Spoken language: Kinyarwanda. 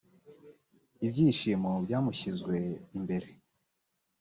ibyishimo byamushyizwe imbere